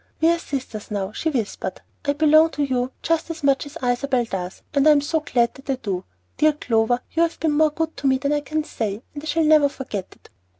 "We are sisters now," she whispered. "I belong to you just as much as Isabel does, and I am so glad that I do! Dear Clover, you have been more good to me than I can say, and I shall never forget it."